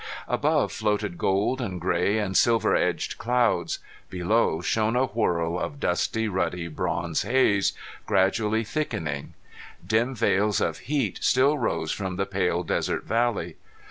Above floated gold and gray and silver edged clouds below shone a whorl of dusky, ruddy bronze haze, gradually thickening. Dim veils of heat still rose from the pale desert valley.